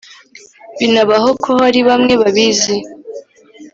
binabaho ko hari bamwe babizi